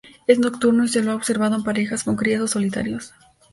Es nocturno y se lo ha observado en parejas, con crías, o solitarios.